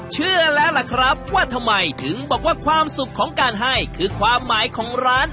เชื่อแล้วล่ะครับว่าทำไมถึงบอกว่าความสุขของการให้คือความหมายของร้าน